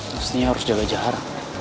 maksudnya harus jaga jarak